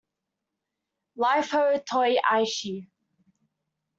Life Ho Toh Aisi!